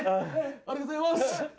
ありがとうございます。